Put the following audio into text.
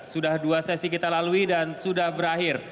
sudah dua sesi kita lalui dan sudah berakhir